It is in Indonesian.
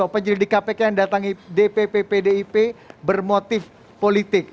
penyelidik kpk yang datangi dpp pdip bermotif politik